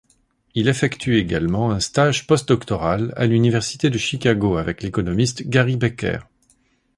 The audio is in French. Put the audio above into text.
Il effectue également un stage post-doctoral à l'université de Chicago, avec l'économiste Gary Becker.